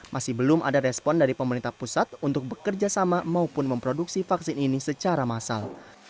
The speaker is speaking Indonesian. masih belum ada respon dari pemerintah pusat untuk bekerja sama maupun memproduksi vaksin ini secara massal